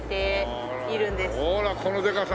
ほらこのでかさ。